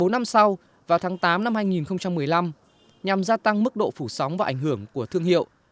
sáu năm sau vào tháng tám năm hai nghìn một mươi năm nhằm gia tăng mức độ phủ sóng và ảnh hưởng của thương hiệu